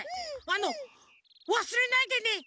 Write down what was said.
あの「わすれないでね。